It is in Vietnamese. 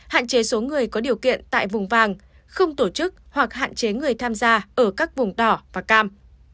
hạn chế số người có điều kiện tại vùng vàng không tổ chức hoặc hạn chế người tham gia ở các vùng đỏ và cam